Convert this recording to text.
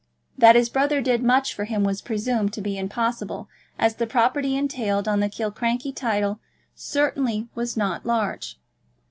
That his brother did much for him was presumed to be impossible, as the property entailed on the Killiecrankie title certainly was not large.